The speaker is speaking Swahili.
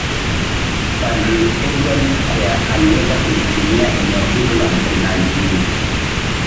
Padrii Edward stear aliweza kulitumia eneo hilo la mkunazini